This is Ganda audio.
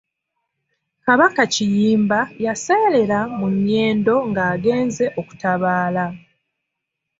Kabaka Kiyimba yaseererera mu Nnyendo ng'agenze okutabaala.